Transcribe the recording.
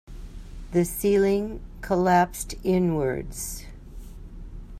The ceiling collapsed inwards.